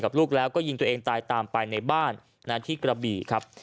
ลูกแล้วก็ยิงตัวเองตายตามไปในบ้านที่กระบี่ครับ